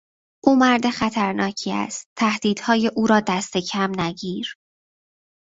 او مرد خطر ناکی است - تهدیدهای او را دست کم نگیر!